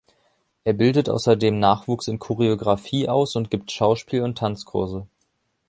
Er bildet außerdem Nachwuchs in Choreographie aus und gibt Schauspiel- und Tanzkurse.